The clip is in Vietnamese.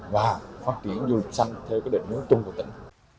và phát triển du lịch xanh theo cái định hướng chung của tỉnh